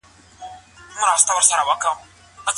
اخلاق د انساني ارزښت معیار دی.